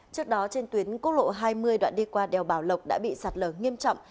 trước đó trên tuyến quốc lộ hai mươi đoạn đi qua đèo bảo lộc đã bị sạt lở nghiêm trọng